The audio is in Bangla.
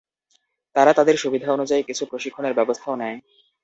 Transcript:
তারা তাদের সুবিধা অনুযায়ী কিছু প্রশিক্ষণের ব্যবস্থাও নেয়।